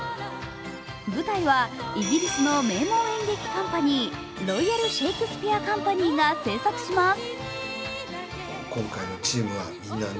舞台はイギリスの名門演劇カンパニー、ロイヤル・シェイクスピア・カンパニーが制作します。